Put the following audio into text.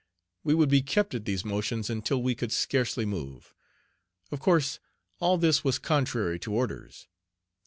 We would be kept at these motions until we could scarcely move. Of course all this was contrary to orders.